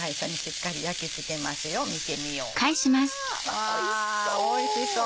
わおいしそう。